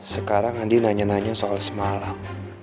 sekarang andi nanya nanya soal semalam